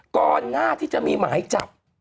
ก่อนหน้าที่จะมีหมายจับ